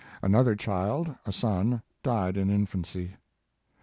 Another child, a son, died in infancy.